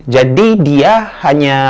jadi dia hanya